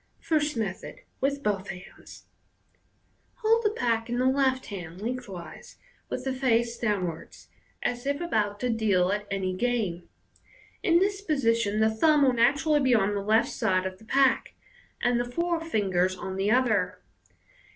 First Method. (With both hands).— Hold the pack in the left hand, lengthways, with the face downwards, as if about to deal at any game. In this position the thumb will naturally be on the left side of the pack, and the four ringers on the other.